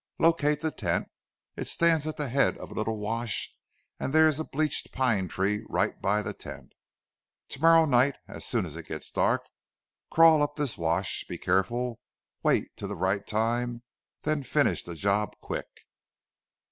Locate the tent. It stands at the head of a little wash and there's a bleached pine tree right by the tent. To morrow night as soon as it gets dark crawl up this wash be careful wait till the right time then finish the job quick!"